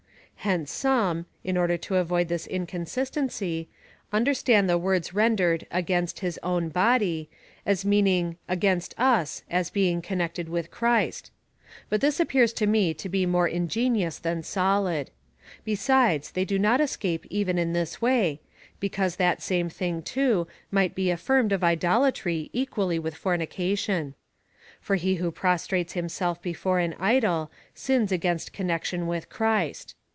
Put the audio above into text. Hence some, in order to avoid this inconsistency, understand the words ren dered against his own body, as meaning against us, as being connected with Christ ; but this appears to me to be more ingenious than solid. Besides, they do not escape even in this way, because that same thing, too, might be affirmed of idolatry equally with fornication. For he who prostrates himself before an idol, sins against connection with Christ.